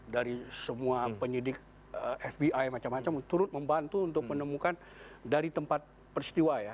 dari semua penyidik fbi macam macam turut membantu untuk menemukan dari tempat peristiwa ya